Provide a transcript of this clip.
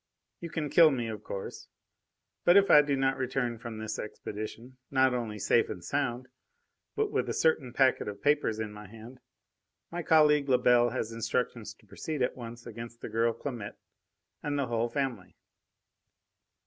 You can kill me, of course; but if I do not return from this expedition not only safe and sound, but with a certain packet of papers in my hands, my colleague Lebel has instructions to proceed at once against the girl Clamette and the whole family."